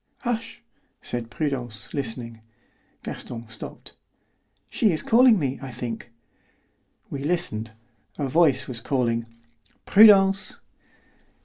"Hush," said Prudence, listening. Gaston stopped. "She is calling me, I think." We listened. A voice was calling, "Prudence!"